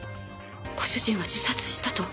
ご主人は自殺したと。